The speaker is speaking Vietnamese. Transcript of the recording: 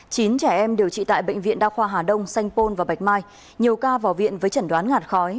chín trẻ em điều trị tại bệnh viện đa khoa hà đông sanh pôn và bạch mai nhiều ca vào viện với chẩn đoán ngạt khói